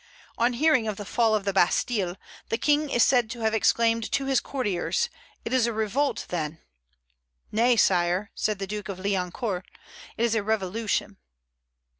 On hearing of the fall of the Bastille, the King is said to have exclaimed to his courtiers, "It is a revolt, then." "Nay, sire," said the Duke of Liancourt, "it is a revolution."